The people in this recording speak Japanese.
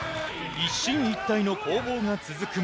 一進一退の攻防が続くも。